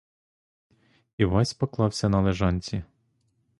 Івась поклався на лежанці.